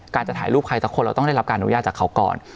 จะถ่ายรูปใครสักคนเราต้องได้รับการอนุญาตจากเขาก่อน